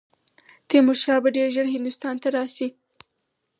تیمور شاه به ډېر ژر هندوستان ته راشي.